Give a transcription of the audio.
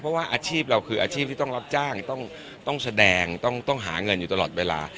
เพราะว่าอาชีพเราคืออาชีพที่ต้องรับจ้างต้องแสดงต้องหาเงินอยู่ตลอดเวลา